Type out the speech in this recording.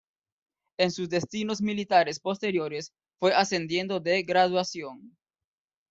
En sus destinos militares posteriores fue ascendiendo de graduación.